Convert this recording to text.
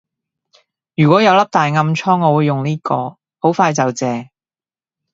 如果有粒大暗瘡我會用呢個，好快就謝